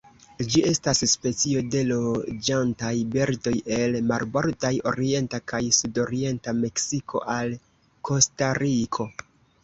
Ĝi estas specio de loĝantaj birdoj el marbordaj orienta kaj sudorienta Meksiko al Kostariko.